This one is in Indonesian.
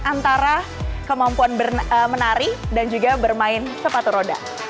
antara kemampuan menari dan juga bermain sepatu roda